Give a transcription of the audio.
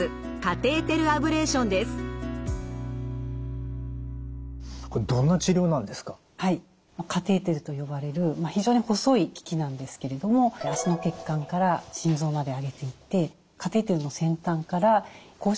カテーテルと呼ばれる非常に細い機器なんですけれども脚の血管から心臓まで上げていってカテーテルの先端から高周波を流します。